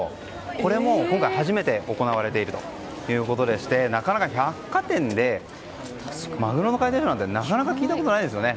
これも今回初めて行われているということでして百貨店でマグロの解体ショーなんてなかなか聞いたことないですよね。